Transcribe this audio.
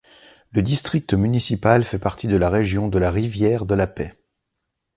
Le district municipal fait partie de la Région de la Rivière de la Paix.